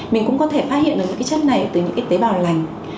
mình cũng có thể phát hiện được những chất này từ những tế bào lành